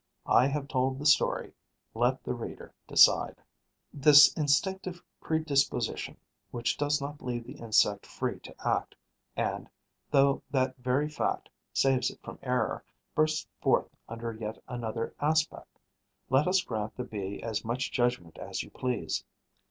I have told the story; let the reader decide. This instinctive predisposition, which does not leave the insect free to act and, through that very fact, saves it from error, bursts forth under yet another aspect. Let us grant the Bee as much judgment as you please.